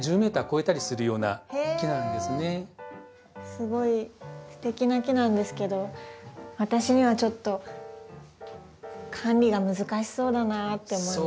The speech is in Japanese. すごいステキな木なんですけど私にはちょっと管理が難しそうだなって思います。